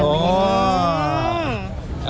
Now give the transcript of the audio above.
โอ้โฮ